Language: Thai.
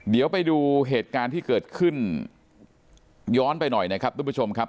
เดี๋ยวไปดูเหตุการณ์ที่เกิดขึ้นย้อนไปหน่อยนะครับทุกผู้ชมครับ